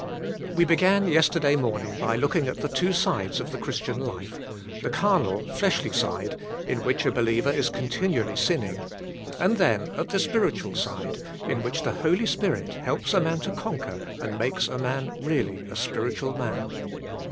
We began yesterday morning by looking at the two sides of the Christian life, the carnal, fleshly side, in which a believer is continually sinning, and then at the spiritual side in which the Holy Spirit helps a man to conquer and makes a man really a spiritual man.